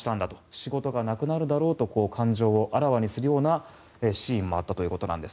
仕事がなくなるだろうと感情をあらわにするようなシーンもあったということなんです。